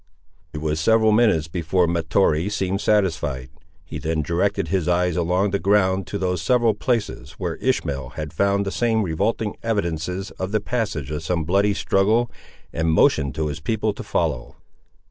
It was several minutes before Mahtoree seemed satisfied. He then directed his eyes along the ground to those several places where Ishmael had found the same revolting evidences of the passage of some bloody struggle, and motioned to his people to follow.